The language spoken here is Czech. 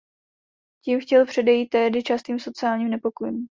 Tím chtěl předejít tehdy častým sociálním nepokojům.